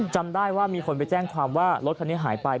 จำได้ว่ามีคนไปแจ้งความว่ารถคันนี้หายไป